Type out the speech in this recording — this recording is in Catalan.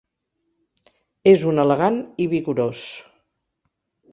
És un elegant i vigorós.